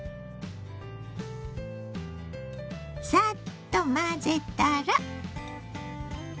サッと混ぜたら。